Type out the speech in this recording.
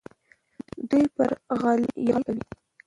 دوی پر غلیم یرغل کاوه.